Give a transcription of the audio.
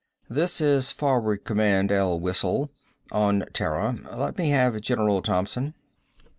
"This is forward command L Whistle. On Terra. Let me have General Thompson."